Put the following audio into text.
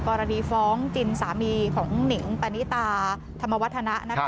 กรณีฟ้องจินสามีของหนิงปณิตาธรรมวัฒนะ